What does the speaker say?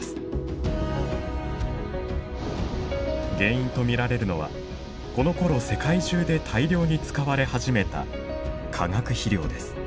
原因と見られるのはこのころ世界中で大量に使われ始めた化学肥料です。